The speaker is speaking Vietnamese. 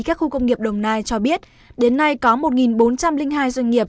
các khu công nghiệp đồng nai cho biết đến nay có một bốn trăm linh hai doanh nghiệp